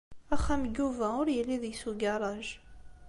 Axxam n Yuba ur yelli deg-s ugaṛaj.